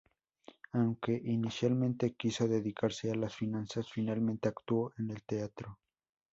Aunque inicialmente quiso dedicarse a las finanzas, finalmente actuó en el teatro.